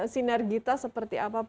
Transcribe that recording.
sinergita seperti apa